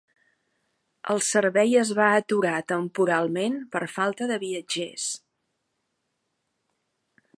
El servei es va aturar "temporalment" per falta de viatgers.